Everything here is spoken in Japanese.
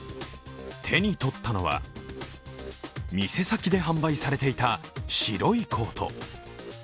手に取ったのは、店先で販売されていた白いコート。